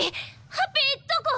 ハッピーどこ⁉